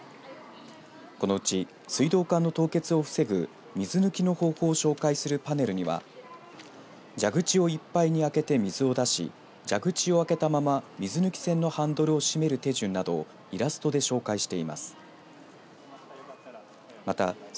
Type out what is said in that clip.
このうち水道管の凍結を防ぐ水抜きの方法を紹介するパネルには蛇口をいっぱいに開けて水を出し蛇口を開けたまま水抜き栓のハンドルを閉める手順などをイラストで紹介しています。